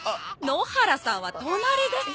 野原さんは隣です！